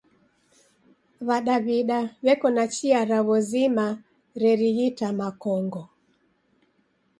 W'adaw'da w'eko na chia raw'o zima rerighita makongo.